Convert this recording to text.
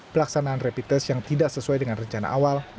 pelaksanaan rapid test yang tidak sesuai dengan rencana awal